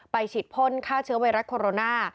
ฉีดพ่นฆ่าเชื้อไวรัสโคโรนา